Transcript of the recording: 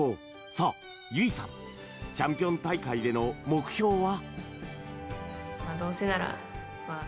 さあ、唯さん「チャンピオン大会」での目標は？